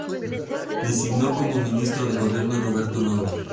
Designó como ministro de gobierno a Roberto Noble.